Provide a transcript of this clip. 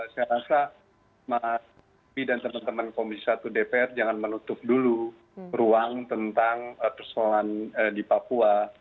saya rasa mas bi dan teman teman komisi satu dpr jangan menutup dulu ruang tentang persoalan di papua